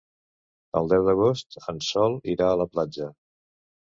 El deu d'agost en Sol irà a la platja.